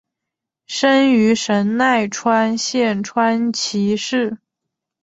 生于神奈川县川崎市。